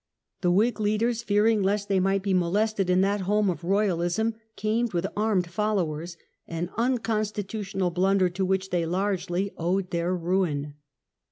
The Whig leaders, fearing lest they might be molested in that home of Royalism, came with armed followers, an unconstitutional blunder to which they largely owed their ruin.